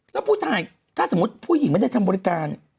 แล้วผู้ถ่ายถ้าสมมุติผู้หญิงไม่ได้ทำบริการ